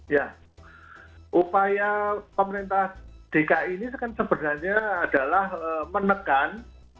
ya upaya pemerintah dki ini kan sebenarnya adalah menekan